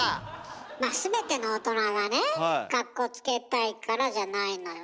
まあ全ての大人がねかっこつけたいからじゃないのよ。